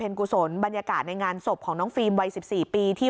กุศลบรรยากาศในงานศพของน้องฟิล์มวัย๑๔ปีที่